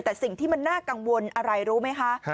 แต่สิ่งที่มันน่ากังวลอะไรรู้ไหมคะ